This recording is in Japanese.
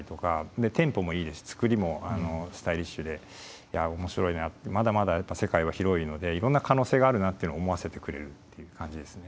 でテンポもいいですし作りもスタイリッシュでいや面白いなってまだまだ世界は広いのでいろんな可能性があるなっていうのを思わせてくれるっていう感じですね。